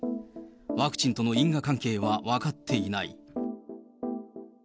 ワクチンとの因果関係は分かっていない。